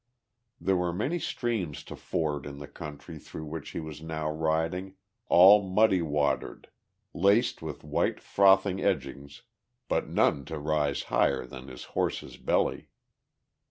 There were many streams to ford in the country through which he was now riding, all muddy watered, laced with white, frothing edgings, but none to rise higher than his horse's belly.